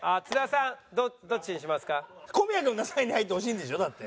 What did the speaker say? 小宮君が３位に入ってほしいんでしょ？だって。